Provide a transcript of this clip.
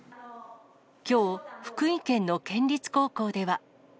きょう、福井県の県立高校では。